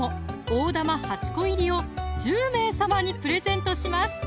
大玉８個入を１０名様にプレゼントします